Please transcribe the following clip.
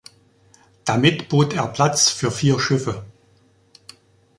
Damit bot er Platz für vier Schiffe.